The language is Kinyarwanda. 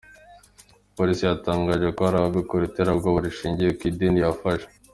Polisi yatangaje ko hari abakora iterabwoba rishingiye ku idini yafashe.